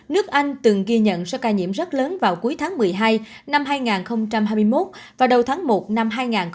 nước anh từng ghi nhận số ca nhiễm rất lớn vào cuối tháng một mươi hai năm hai nghìn hai mươi một và đầu tháng một năm hai nghìn hai mươi bốn